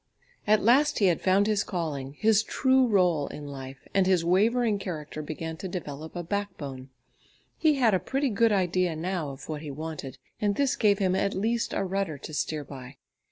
At last he had found his calling, his true rôle in life and his wavering character began to develop a backbone. He had a pretty good idea now of what he wanted, and this gave him at least a rudder to steer by.